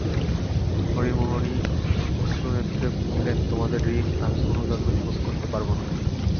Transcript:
হরিমোহিনী অশ্রুনেত্রে কহিলেন, তোমাদের ঋণ আমি কোনো জন্মে শোধ করতে পারব না।